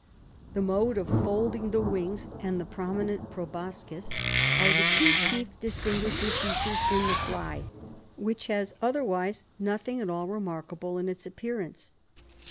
The mode of folding the wings and the prominent proboscis are the two chief distinguishing features in the fly, which has otherwise nothing at all remarkable in its appearance.